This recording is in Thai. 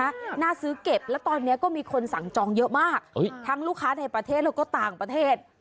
น่าซื้อเก็บแล้วตอนนี้ก็มีคนสั่งจองเยอะมากทั้งลูกค้าในประเทศแล้วก็ต่างประเทศ